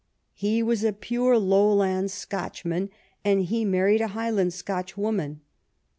He was a pure Lowland Scotchman, and he married a Highland Scotch woman.